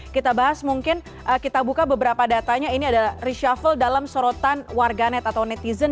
kita bahas mungkin kita buka beberapa datanya ini ada reshuffle dalam sorotan warganet atau netizen